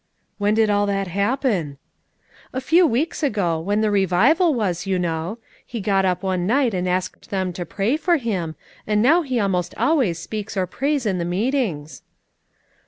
"When did all that happen?" "A few weeks ago, when the revival was, you know. He got up one night and asked them to pray for him, and now he almost always speaks or prays in the meetings."